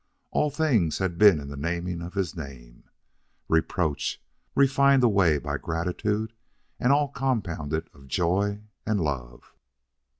All things had been in the naming of his name reproach, refined away by gratitude, and all compounded of joy and love.